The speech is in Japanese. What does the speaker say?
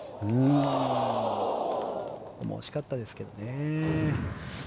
ここも惜しかったですけどね。